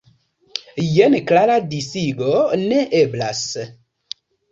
Jen klara disigo ne eblas.